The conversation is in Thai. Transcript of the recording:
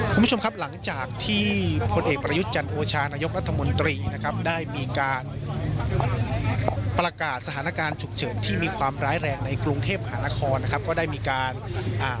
คุณผู้ชมครับหลังจากที่พลเอกประยุทธ์จันโอชานายกรัฐมนตรีนะครับได้มีการประกาศสถานการณ์ฉุกเฉินที่มีความร้ายแรงในกรุงเทพหานครนะครับก็ได้มีการอ่า